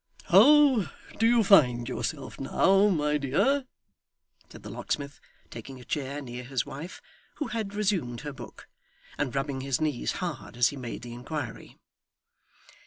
'How do you find yourself now, my dear?' said the locksmith, taking a chair near his wife (who had resumed her book), and rubbing his knees hard as he made the inquiry.